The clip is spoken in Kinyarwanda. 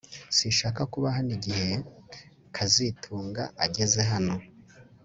Sinshaka kuba hano igihe kazitunga ageze hano